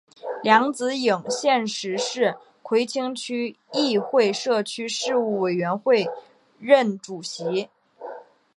梁子颖现时是葵青区议会社区事务委员会任主席。